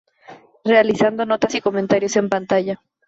Realizando notas y comentarios en pantalla.